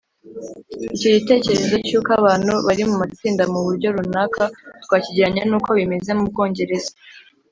icyo gitekerezo cy’uko abantu bari mu matsinda mu buryo runaka twakigereranya n’uko bimeze mu bwongereza